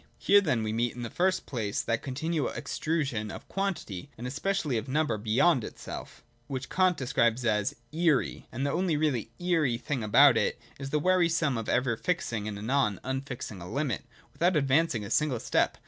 J Here then we meet, in the first place, that continual ex trusion of quantity, and especially of number, beyond itself, which Kant describes as ' eery.' The only really ' eery ' thing about it is the wearisomeness of ever fixing, and anon unfixing a limit, without advancing a single step.